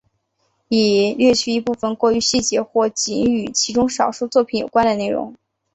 已略去一部分过于细节或仅与其中少数作品有关的内容。